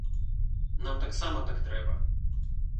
Нам таксама так трэба.